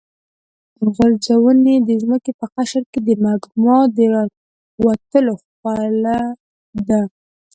اورغورځونې د ځمکې په قشر کې د مګما د راوتلو خوله ده.